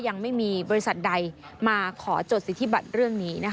ยังไม่มีบริษัทใดมาขอจดสิทธิบัตรเรื่องนี้